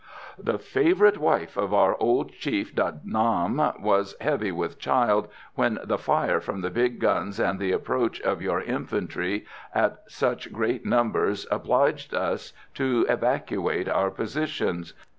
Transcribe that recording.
"The favourite wife of our old chief De Nam was heavy with child when the fire from the big guns and the approach of your infantry in such great numbers obliged us to evacuate our positions.